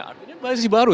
artinya masih baru